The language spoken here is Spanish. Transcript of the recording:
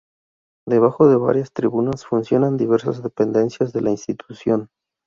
Debajo de varias tribunas funcionan diversas dependencias de la institución.